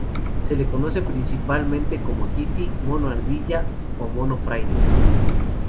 Se le conoce principalmente como tití, mono ardilla o mono fraile.